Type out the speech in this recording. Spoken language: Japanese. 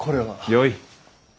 よい。